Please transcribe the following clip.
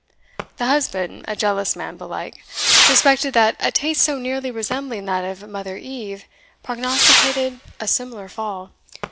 The husband, a jealous man, belike, suspected that a taste so nearly resembling that of Mother Eve prognosticated a similar fall.